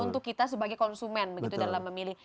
untuk kita sebagai konsumen begitu dalam memilih